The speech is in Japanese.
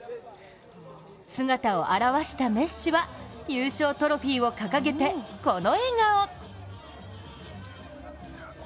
姿を現したメッシは優勝トロフィーを掲げて、この笑顔。